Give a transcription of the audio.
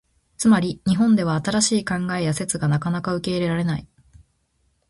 つまり、日本では新しい考えや説がなかなか受け入れられない。